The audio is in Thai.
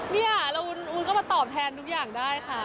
เนี่ยแล้ววุ้นก็มาตอบแทนทุกอย่างได้ค่ะ